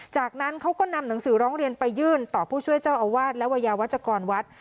จากนั้นเขาก็นำหนังสือร้องเรียนไปยื่นต่อผู้ช่วยเจ้าอาวาสและวัยยาวัชกรวัด